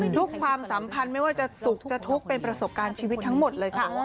ความสัมพันธ์ไม่ว่าจะสุขจะทุกข์เป็นประสบการณ์ชีวิตทั้งหมดเลยค่ะ